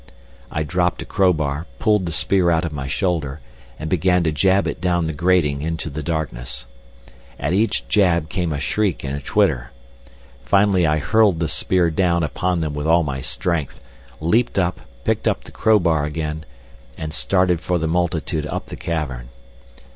I dropped a crowbar, pulled the spear out of my shoulder, and began to jab it down the grating into the darkness. At each jab came a shriek and twitter. Finally I hurled the spear down upon them with all my strength, leapt up, picked up the crowbar again, and started for the multitude up the cavern.